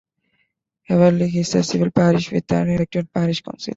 Everleigh is a civil parish with an elected parish council.